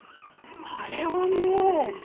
あれはもう。